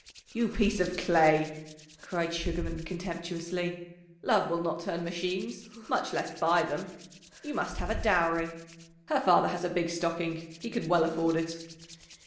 "You piece of clay!" cried Sugarman contemptuously. "Love will not turn machines, much less buy them. You must have a dowry. Her father has a big stocking he can well afford it."